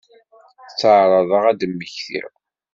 Tteɛraḍeɣ ad d-mmektiɣ.